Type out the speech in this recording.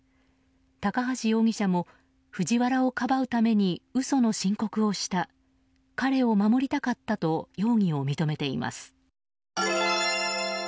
高橋容疑者も藤原をかばうために嘘の申告をした彼を守りたかったと容疑を認めています。